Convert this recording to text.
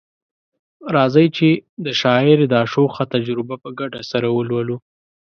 راځئ چي د شاعر دا شوخه تجربه په ګډه سره ولولو